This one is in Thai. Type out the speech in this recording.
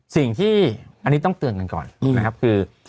สิ่งที่อันนี้ต้องเตือนกันก่อนนะครับคือ